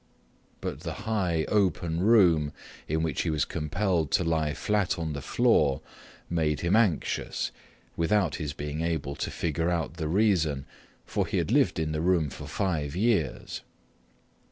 But the high, open room, in which he was compelled to lie flat on the floor, made him anxious, without his being able to figure out the reason, for he had lived in the room for five years.